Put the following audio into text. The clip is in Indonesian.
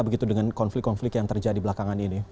begitu dengan konflik konflik yang terjadi belakangan ini